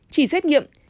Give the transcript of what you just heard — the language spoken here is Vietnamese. chỉ xét nghiệm